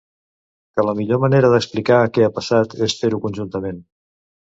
Que la millor manera d’explicar què ha passat és fer-ho conjuntament.